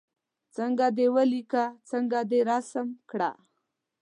څنګه دې ولیکه څنګه دې رسم کړ.